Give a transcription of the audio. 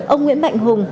ông nguyễn mạnh hùng